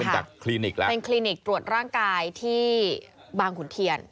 ใช่ค่ะเป็นคลินิกตรวจร่างกายที่บางขุนเทียน